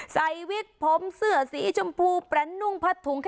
วิกผมเสื้อสีชมพูแปรนนุ่งพัดถุง